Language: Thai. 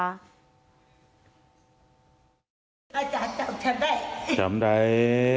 อาจารย์จำฉันได้จำได้